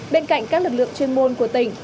bên cạnh các lực lượng chuyên môn của tỉnh